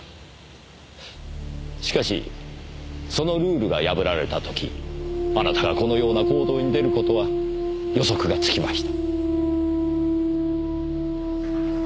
しかしそのルールが破られた時あなたがこのような行動に出る事は予測がつきました。